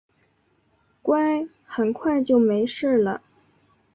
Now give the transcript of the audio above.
乖，很快就没事了